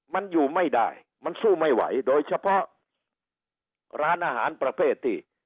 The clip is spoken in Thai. มันอยู่ไม่ได้มันสู้ไม่ไหวโดยเฉพาะร้านอาหารประเภทที่